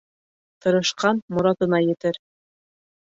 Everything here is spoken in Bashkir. Тырышҡан моратына етер